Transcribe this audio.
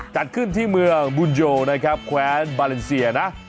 จัดขึ้นที่เมืองบุญโยนะครับแคว้นบาเลนเซียนะ